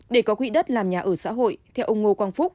để có quỹ đất làm nhà ở xã hội theo ông ngô quang phúc